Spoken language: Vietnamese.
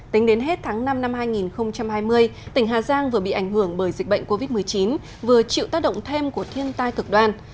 tính đến hết tháng năm năm hai nghìn hai mươi tỉnh hà giang vừa bị ảnh hưởng bởi dịch bệnh covid một mươi chín vừa chịu tác động thêm của thiên tai cực đoan